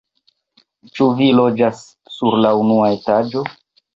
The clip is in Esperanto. Ĉu vi loĝas sur la unua etaĝo?